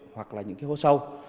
hoặc là những cái hố sâu